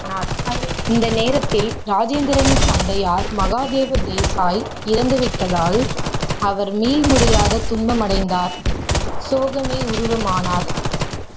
இந்த நேரத்தில் இராஜேந்திரரின் தந்தையார் மகாதேவ தேசாய் இறந்து விட்டதால், அவர் மீள்முடியாத துன்பமடைந்தார் சோகமே உருவமானார்.